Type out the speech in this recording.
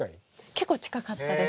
結構近かったです。